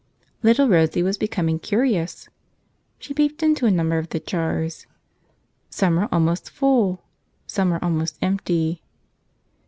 Little Rosie was becoming curious. She peeped into a number of the jars. Some were almost full; some were almost empty.